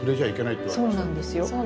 そうなんですよ。